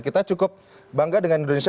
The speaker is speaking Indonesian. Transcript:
kita cukup bangga dengan indonesia